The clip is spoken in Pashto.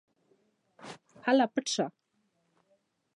هله پټ شه.